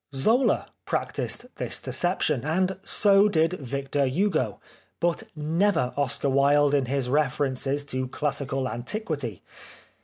Zola practised this deception, and so did Victor Hugo, but never Oscar Wilde in his references to classical anti quity.